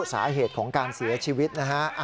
สาเหตุของการเสียชีวิตนะฮะ